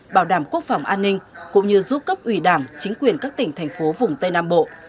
bảo đảm quốc phòng an ninh cũng như giúp cấp ủy đảng chính quyền các tỉnh thành phố vùng tây nam bộ